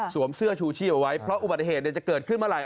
เสื้อชูชีพเอาไว้เพราะอุบัติเหตุจะเกิดขึ้นเมื่อไหร่